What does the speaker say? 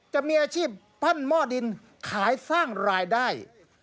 จะมีอาชีพปั้นหม้อดินขายสร้างรายได้